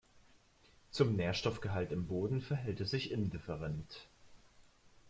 Zum Nährstoffgehalt im Boden verhält es sich indifferent.